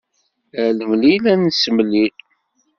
Ar nemlil ad nessemlil.